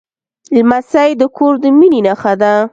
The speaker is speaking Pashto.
لمسی د کور د مینې نښه ده.